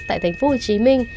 tại thành phố hồ chí minh